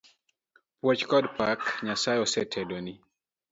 Puoch kod pak, Nyasaye oseteloni.